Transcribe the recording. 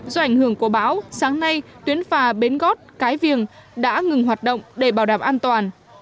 do ảnh hưởng của bão sáng nay tuyến phà bến gót cái viềng đã ngừng hoạt động để bảo đảm an toàn